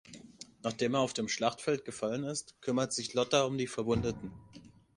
Nachdem er auf dem Schlachtfeld gefallen ist, kümmert sich Lotta um die Verwundeten.